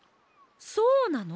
そうなの？